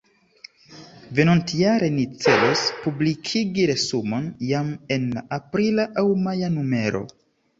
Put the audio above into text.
Venontjare ni celos publikigi resumon jam en la aprila aŭ maja numero.